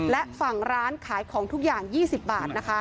และฝั่งร้านขายของทุกอย่าง๒๐บาทนะคะ